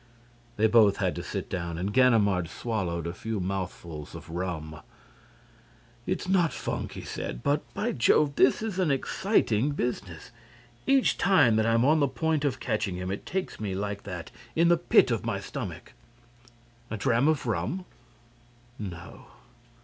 They both had to sit down and Ganimard swallowed a few mouthfuls of rum. "It's not funk," he said, "but, by Jove, this is an exciting business! Each time that I'm on the point of catching him, it takes me like that in the pit of the stomach. A dram of rum?" "No."